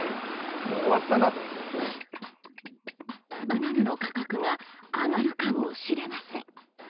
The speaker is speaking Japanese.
バナナの価格が上がるかもしれません。